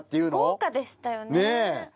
豪華でしたよね。